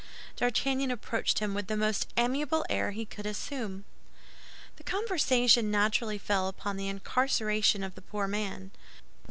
D'Artagnan approached him with the most amiable air he could assume. The conversation naturally fell upon the incarceration of the poor man.